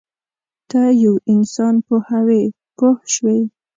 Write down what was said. ته یو انسان پوهوې پوه شوې!.